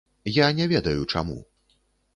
Я не ведаю, чаму.